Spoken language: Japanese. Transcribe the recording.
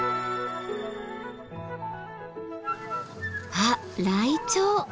あライチョウ。